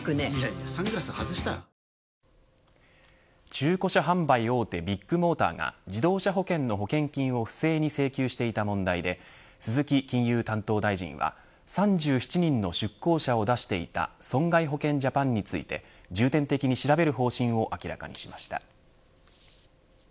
中古車販売大手ビッグモーターが自動車保険の保険金を不正に請求していた問題で鈴木金融担当大臣は３７人の出向者を出していた損害保険ジャパンについて重点的に調べる方針を明らかにしました。